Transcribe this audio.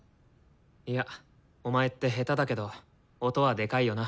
いやお前って下手だけど音はでかいよな。